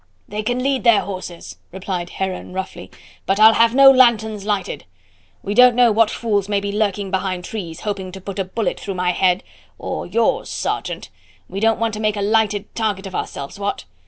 "They can lead their horses," replied Heron roughly, "but I'll have no lanthorns lighted. We don't know what fools may be lurking behind trees, hoping to put a bullet through my head or yours, sergeant we don't want to make a lighted target of ourselves what?